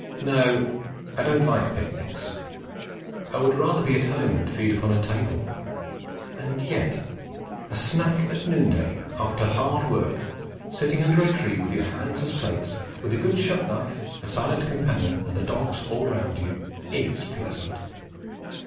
No, I don't like picnics; I would rather be at home and feed upon a table; and yet a snack at noon day, after hard work, sitting under a tree, with your hands as plates, with a good "shut knife," a silent companion and the dogs all round you, is pleasant.